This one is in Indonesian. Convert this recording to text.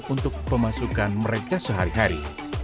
untuk pemasukan mereka sehari hari